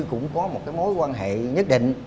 cũng có một mối quan hệ nhất định